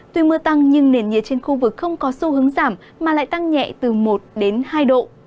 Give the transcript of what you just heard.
tuy mưa tăng nhưng nền nhiệt trên khu vực không có xu hướng giảm mà lại tăng nhẹ từ một đến hai độ